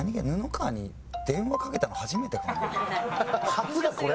初がこれ？